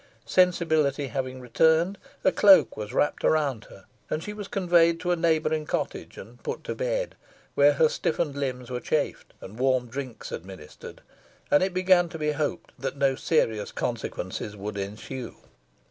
Sensibility having returned, a cloak was wrapped around her, and she was conveyed to a neighbouring cottage and put to bed, where her stiffened limbs were chafed and warm drinks administered, and it began to be hoped that no serious consequences would ensue.